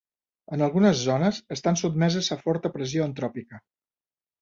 En algunes zones estan sotmeses a forta pressió antròpica.